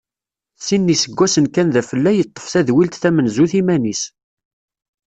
Sin n yiseggasen kan d afella yeṭṭef tadwilt tamenzut iman-is.